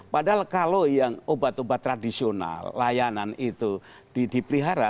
padahal kalau yang obat obat tradisional layanan itu dipelihara